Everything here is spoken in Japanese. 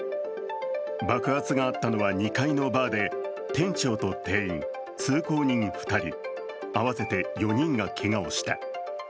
爆発があったのは２階のバーで店長と店員、通行人２人合わせて４人がけがをした。